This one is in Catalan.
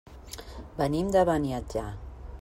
Venim de Beniatjar.